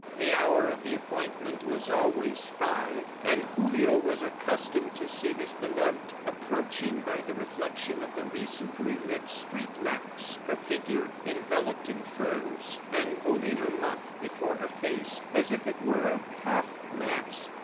The hour of the appointment was always five and Julio was accustomed to see his beloved approaching by the reflection of the recently lit street lamps, her figure enveloped in furs, and holding her muff before her face as if it were a half mask.